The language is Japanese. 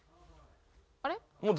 あれ？